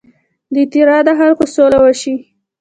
د تیرا د خلکو سوله وشي.